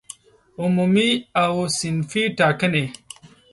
عمومي او صنفي ټاکنې